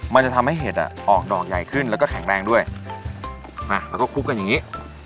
มันจะทำให้เห็ดอ่ะออกดอกใหญ่ขึ้นแล้วก็แข็งแรงด้วยอ่ะแล้วก็คลุกกันอย่างนี้